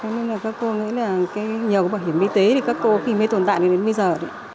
nên là các cô nghĩ là nhờ bảo hiểm y tế thì các cô thì mới tồn tại đến bây giờ